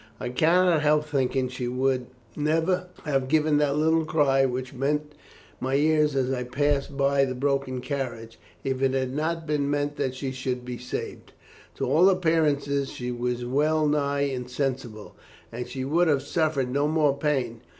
I cannot help thinking she would never have given that little cry which met my ears as I passed by the broken carriage, if it had not been meant that she should be saved. To all appearance she was well nigh insensible, and she would have suffered no more pain.